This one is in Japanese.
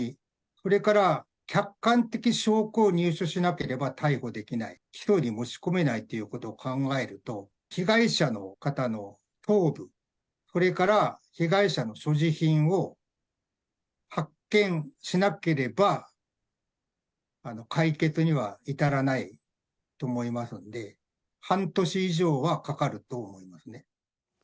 それから、客観的証拠を入手しなければ逮捕できない、起訴に持ち込めないということを考えると、被害者の方の頭部、それから被害者の所持品を発見しなければ解決には至らないと思いますので、半年以上はかかると思いますね。